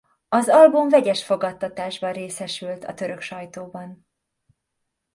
Az album vegyes fogadtatásban részesült a török sajtóban.